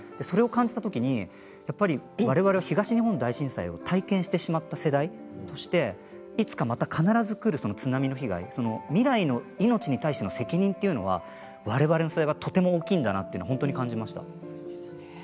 それを感じたときにやっぱり、われわれは東日本大震災を体験してしまった世代としていつかまた必ず来る津波の被害未来の命に対する責任というのはわれわれの責任はとても大きいんだなと感じました。